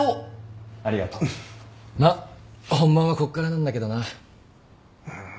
まっ本番はここからなんだけどな。